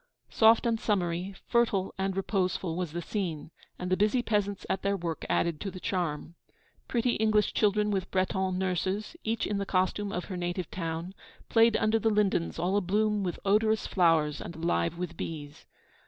Soft and summery, fertile and reposeful, was the scene; and the busy peasants at their work added to the charm. Pretty English children with Breton nurses, each in the costume of her native town, played under the lindens all abloom with odorous flowers and alive with bees.